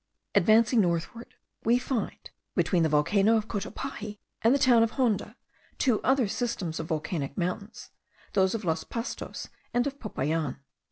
Advancing northward we find, between the volcano of Cotopaxi and the town of Honda, two other systems of volcanic mountains, those of los Pastos and of Popayan.